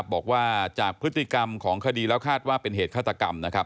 บอกว่าจากพฤติกรรมของคดีแล้วคาดว่าเป็นเหตุฆาตกรรมนะครับ